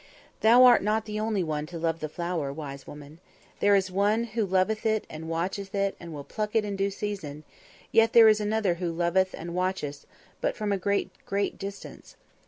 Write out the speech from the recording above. Thou art not the only one to love the flower, wise woman. There is one also who loveth it and watcheth it and will pluck it in due season; there is yet another who loveth and watcheth, but from a great, great distance.